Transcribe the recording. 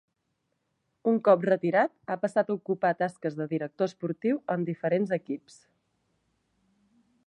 Un cop retirat, ha passat a ocupar tasques de director esportiu en diferents equips.